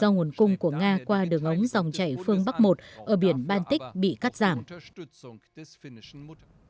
các hợp đồng do nguồn cung của nga qua đường ống dòng chảy phương bắc một ở biển baltic bị cắt giảm